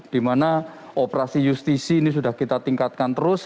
di mana operasi justisi ini sudah kita tingkatkan terus